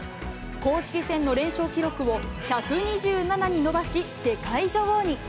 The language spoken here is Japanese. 公式戦の連勝記録を１２７に伸ばし、世界女王に。